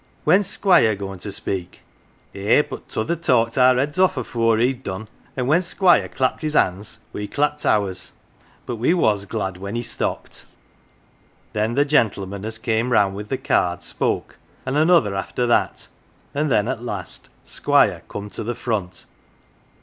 When's Squire goin' to speak ?' "Eh, but the toother talked our heads oft' afore he'd done, an' when Squire clapped his hands, we clapped ours, but we was glad when he stopped. Then the gentleman as came round with the cards, spoke, and another after that, and then at last Squire come to the front.